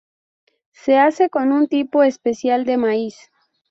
Se hace con un tipo especial de maíz.